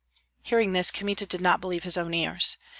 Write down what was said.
Hearing this, Kmita did not believe his own ears.